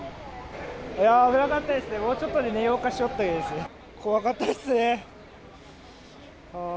いやー、危なかったですね、もうちょっとで寝ようかと、怖かったですね。